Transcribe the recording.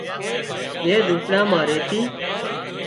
زي زونپڙا مان ريتِي